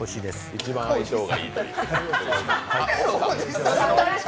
一番相性がいいという。